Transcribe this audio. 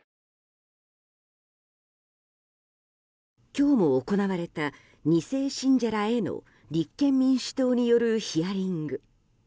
今日も行われた２世信者らへの立憲民主党によるヒアリング。